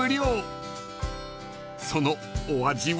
［そのお味は？］